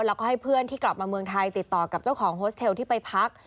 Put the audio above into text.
แล้วก็ให้เพื่อนที่กลับมาเมืองไทยติดต่อกับเจ้าของโฮสเทลที่ไปพัก